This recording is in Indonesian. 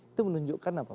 itu menunjukkan apa